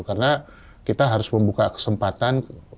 karena kita harus membuka kesempatan